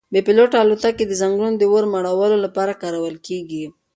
بې پیلوټه الوتکې د ځنګلونو د اور مړولو لپاره کارول کیږي.